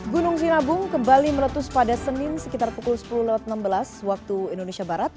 gunung sinabung kembali meletus pada senin sekitar pukul sepuluh enam belas waktu indonesia barat